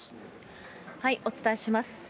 お伝えします。